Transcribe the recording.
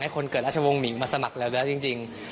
ให้คนเกิดราชวงศ์หมิ่งมาสมัครแล้วแล้วจริง